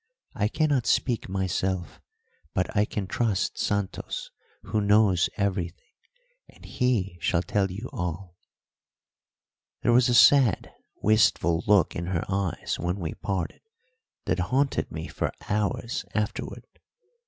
I cannot speak myself, but I can trust Santos, who knows everything, and he shall tell you all." There was a sad, wistful look in her eyes when we parted that haunted me for hours afterwards.